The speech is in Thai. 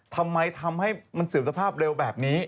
ทำไมทำให้มันเสื่อมสภาพเร็วแบบนี้